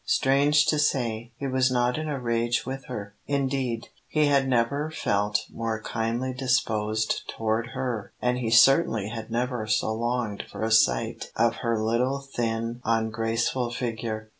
Strange to say, he was not in a rage with her. Indeed, he had never felt more kindly disposed toward her, and he certainly had never so longed for a sight of her little thin, ungraceful figure.